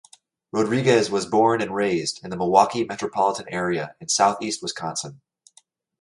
Rodriguez was born and raised in the Milwaukee metropolitan area in southeast Wisconsin.